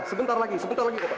sebentar lagi sebentar lagi